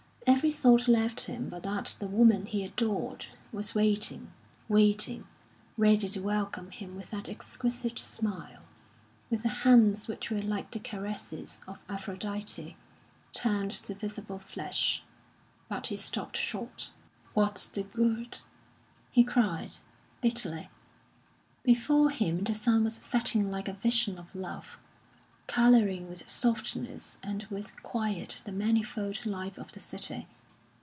Every thought left him but that the woman he adored was waiting, waiting, ready to welcome him with that exquisite smile, with the hands which were like the caresses of Aphrodite, turned to visible flesh. But he stopped short. "What's the good?" he cried, bitterly. Before him the sun was setting like a vision of love, colouring with softness and with quiet the manifold life of the city.